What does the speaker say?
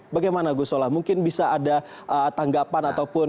bagaimana gus solah mungkin bisa ada tanggapan ataupun